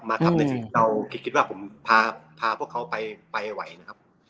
ครับในสิ่งที่เราคิดว่าผมพาพวกเขาไปไหวนะครับ